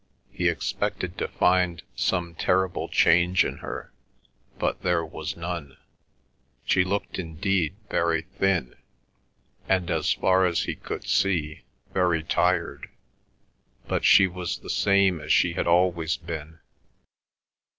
He expected to find some terrible change in her, but there was none. She looked indeed very thin, and, as far as he could see, very tired, but she was the same as she had always been.